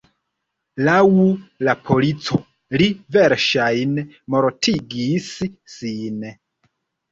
Laŭ la polico, li verŝajne mortigis sin.